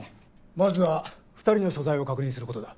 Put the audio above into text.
まずは２人の所在を確認することだ。